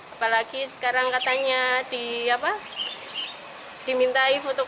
apalagi sekarang katanya dimintai foto